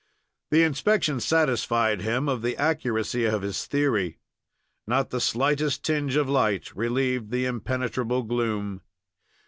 The inspection satisfied him of the accuracy of his theory. Not the slightest tinge of light relieved the impenetrable gloom.